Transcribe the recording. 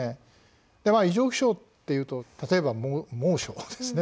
異常気象っていうと例えば猛暑ですね。